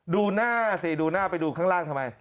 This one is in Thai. ดูหน้าสิดูหน้าไปดูข้างล่างทำไม